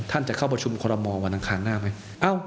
ท่านจะเข้าบัตรชมคนรมมองวันอันขาดหน้าไหม